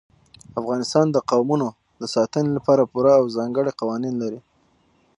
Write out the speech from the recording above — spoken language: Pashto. افغانستان د قومونه د ساتنې لپاره پوره او ځانګړي قوانین لري.